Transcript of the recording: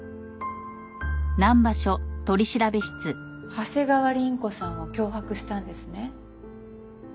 長谷川凛子さんを脅迫したんですね？